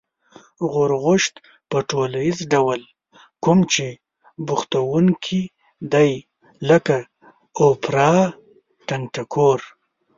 غورغوشت په ټولیز ډول کوم چې بوختوونکي دی لکه: اوپرا، ټنگټکور